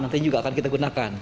nantinya juga akan kita gunakan